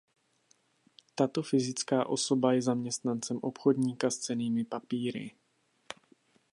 Tato fyzická osoba je zaměstnancem obchodníka s cennými papíry.